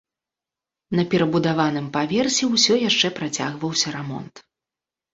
На перабудаваным паверсе ўсё яшчэ працягваўся рамонт.